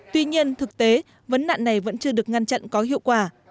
tuy nhiên thực tế vấn nạn này vẫn chưa được ngăn chặn có hiệu quả